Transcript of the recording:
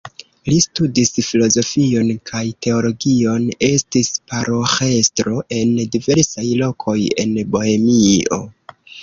Li studis filozofion kaj teologion, estis paroĥestro en diversaj lokoj en Bohemio.